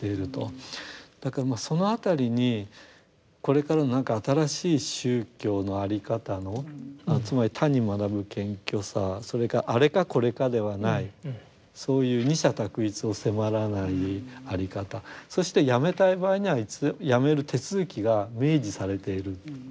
だからまあその辺りにこれからの何か新しい宗教の在り方のつまり他に学ぶ謙虚さそれからあれかこれかではないそういう二者択一を迫らない在り方そしてやめたい場合にはやめる手続きが明示されているっていう